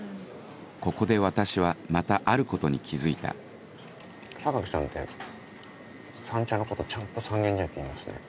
ここで私はまたあることに気付いた酒木さんって「三茶」のことちゃんと「三軒茶屋」って言いますね。